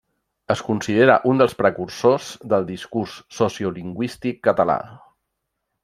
Es considera un dels precursors del discurs sociolingüístic català.